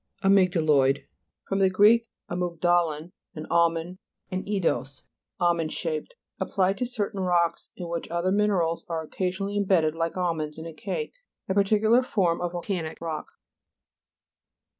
AMY'GHALOID fr. gr. amugdalon, an almond, eidos, form. Almond shaped. Applied to certain rocks in which other minerals are oc casionally imbedded like almonds in a cake. A particular form of volcanic rock.